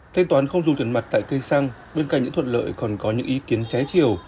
thanh toán không dùng tiền mặt tại cây xăng bên cạnh những thuận lợi còn có những ý kiến trái chiều